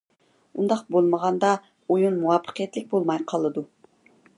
ئۇنداق بولمىغاندا، ئويۇن مۇۋەپپەقىيەتلىك بولماي قالىدۇ.